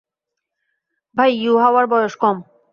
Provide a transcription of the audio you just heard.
তখন ইউহাওয়ার বয়স কম।